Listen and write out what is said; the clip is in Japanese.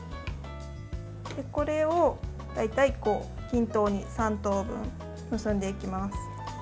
これを大体、均等に３等分、結んでいきます。